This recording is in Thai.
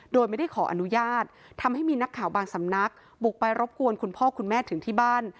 โดยไม่ได้ขออนุญาตทำให้มีนักข่าวบางสำนักบุกไปรบกวนคุณพ่อคุณแม่ถึงที่บ้าน